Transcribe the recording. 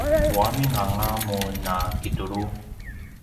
puamin anga mun a kitulu?